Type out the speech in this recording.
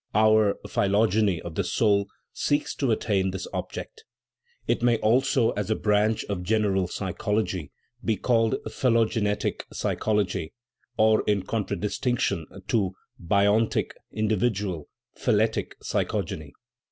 Our * phylogeny of the soui " seeks to attain this object; it 148 THE PHYLOGENY OF THE SOUL may also, as a branch of general psychology, be called phylogenetic psychology, or, in contradistinction to bi ontic (individual), phyletic psychogeny.